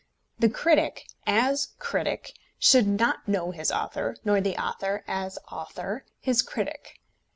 The critic, as critic, should not know his author, nor the author, as author, his critic.